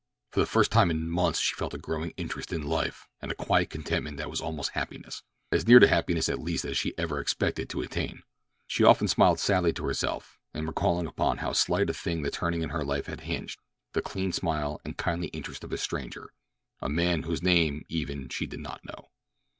For the first time in months she felt a growing interest in life and a quiet contentment that was almost happiness—as near to happiness at least as she ever expected to attain. She often smiled sadly to herself in recalling upon how slight a thing the turning in her life had hinged—the clean smile and kindly interest of a stranger, a man whose name, even, she did not know.